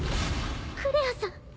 クレアさん。